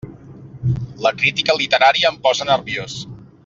La crítica literària em posa nerviós!